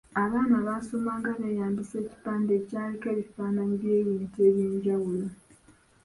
Abaana baasomanga beeyambisa ekipande ekyaliko ebifaananyi by’ebintu eby’enjawulo.